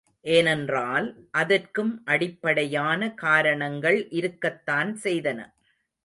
ஏனென்றால், அதற்கும் அடிப்படையான காரணங்கள் இருக்கத்தான் செய்தன.